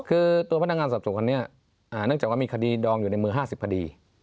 คือตัวพนักงานสอบสวนคนนี้เนื่องจากว่ามีคดีดองอยู่ในมือ๕๐คดี